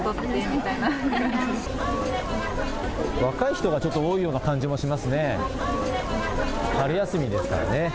若い人が多いような感じもしますね。